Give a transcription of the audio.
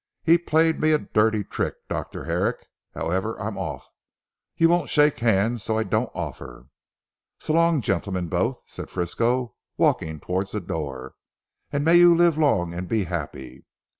He played me a dirty trick, Dr. Herrick. However, I'm off. You won't shake hands so I don't offer. So long gentlemen both," said Frisco walking towards the door, "and may you live long and be happy.